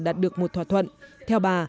đạt được một thỏa thuận theo bà